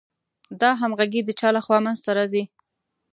دا همغږي د چا له خوا منځ ته راځي؟